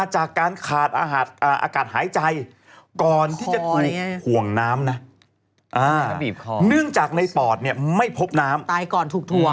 ให้พบน้ำต๊ายก่อนถูกทวง